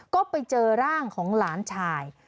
ก็ไปเจอร่างของหลานชาย